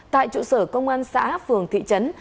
tại trụ sở công an xã phường thị trấn